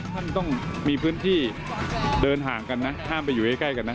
ท่านต้องมีพื้นที่เดินห่างกันนะห้ามไปอยู่ใกล้กันนะ